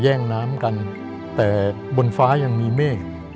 แย่งน้ำกันแต่บนฟ้ายังมีเมฆ